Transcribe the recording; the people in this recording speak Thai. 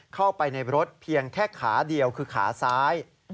เข้าไปในรถเพียงแค่ขาเดียวคือขาซ้าย